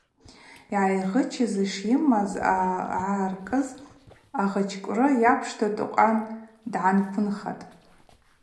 Йгӏайгъычыз шйымаз йгӏаркӏыз агъычкӏвры йапшта Токъан дъанквынхатӏ.